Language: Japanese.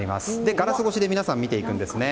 ガラス越しで見ていくんですね。